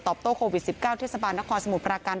โต้โควิด๑๙เทศบาลนครสมุทรปราการ